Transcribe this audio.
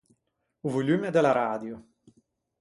O volumme de l’aradio.